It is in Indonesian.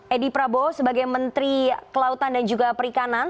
edi prabowo sebagai menteri kelautan dan juga perikanan